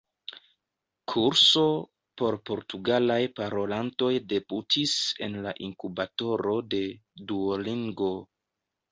-kurso por portugalaj parolantoj debutis en la inkubatoro de Duolingo